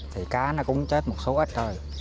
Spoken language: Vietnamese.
thì cá nó cũng chết một số ít thôi